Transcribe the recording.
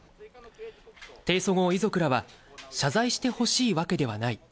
提訴後、遺族らは謝罪してほしいわけではない。